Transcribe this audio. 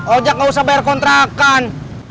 oh jak nggak usah bayar kontrakan